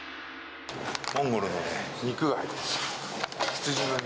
モンゴルの肉が入ってます。